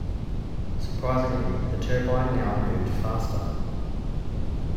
Surprisingly, the turbine now moved faster.